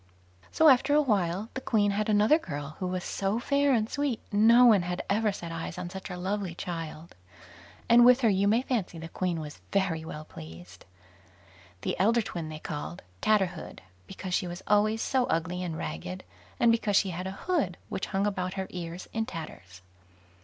So, after a while, the Queen had another girl, who was so fair and sweet, no one had ever set eyes on such a lovely child, and with her you may fancy the Queen was very well pleased. The elder twin they called "Tatterhood", because she was always so ugly and ragged, and because she had a hood which hung about her ears in tatters.